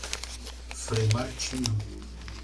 Frei Martinho